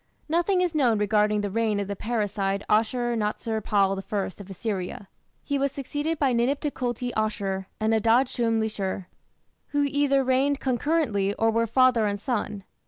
Nothing is known regarding the reign of the parricide Ashur natsir pal I of Assyria. He was succeeded by Ninip Tukulti Ashur and Adad shum lishir, who either reigned concurrently or were father and son.